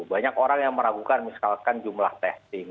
banyak orang yang meragukan misalkan jumlah testing